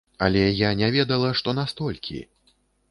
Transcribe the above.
Але я не ведала, што настолькі.